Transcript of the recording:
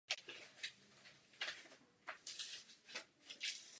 Polokoule Vesty se od sebe podstatně liší.